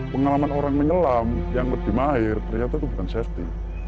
pengalaman orang menyelam yang lebih mahir ternyata itu bukan safety